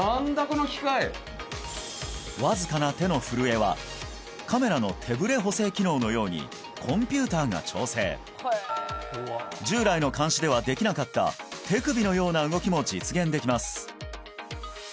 この機械わずかな手の震えはカメラの手ブレ補正機能のようにコンピューターが調整従来の鉗子ではできなかった手首のような動きも実現できます